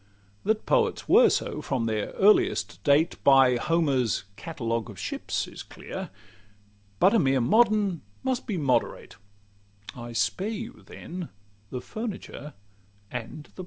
That poets were so from their earliest date, By Homer's "Catalogue of ships" is clear; But a mere modern must be moderate I spare you then the furniture and plate.